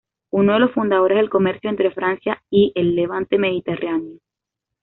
Uno de los fundadores del comercio entre Francia y el Levante mediterráneo.